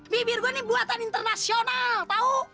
bibir gua ini buatan internasional tau